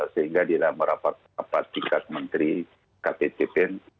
sehingga di dalam merapat rapat tingkat menteri ktcpn